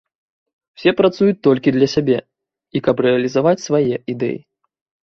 Усе працуюць толькі для сябе, і каб рэалізаваць свае ідэі.